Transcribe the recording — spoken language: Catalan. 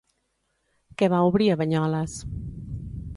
Què va obrir a Banyoles?